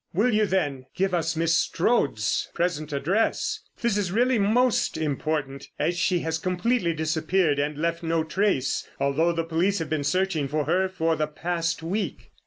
"Will you, then, give us Miss Strode's present address? This is really most important, as she has completely disappeared and left no trace, although the police have been searching for her for the past week."